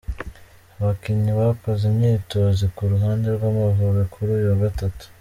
Abakinnyi bakoze imyitozo ku ruhande rw’Amavubi kuri uyu wa gatatu:.